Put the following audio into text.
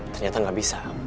ternyata gak bisa